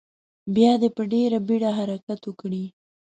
بیا دې په ډیره بیړه حرکت وکړي.